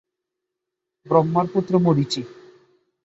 ব্রহ্মার পুত্র মরীচি।